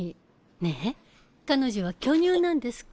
ねえ彼女は巨乳なんですか？